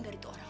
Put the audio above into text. dari tuh orang